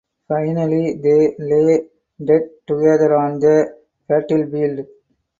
Finally they lay dead together on the battlefield.